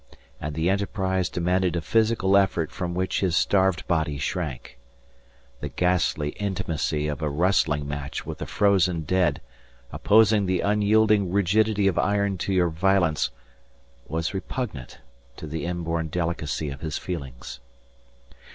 And the enterprise demanded a physical effort from which his starved body shrank. The ghastly intimacy of a wrestling match with the frozen dead opposing the unyielding rigidity of iron to your violence was repugnant to the inborn delicacy of his feelings.